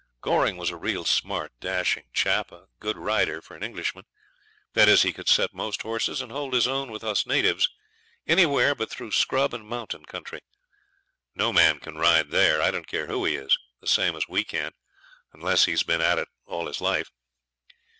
Goring was a real smart, dashing chap, a good rider for an Englishman; that is, he could set most horses, and hold his own with us natives anywhere but through scrub and mountain country. No man can ride there, I don't care who he is, the same as we can, unless he's been at it all his life.